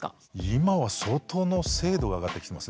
今は相当の精度が上がってきてますね。